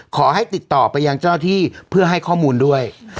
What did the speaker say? ขอให้ติดต่อไปยังเจ้าที่เพื่อให้ข้อมูลด้วย